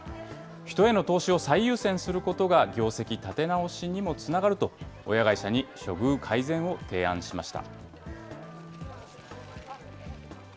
人への投資を最優先することが、業績立て直しにもつながると、親会社に処遇改善を提案しました。